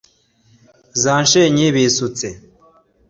za nshenyi bisutse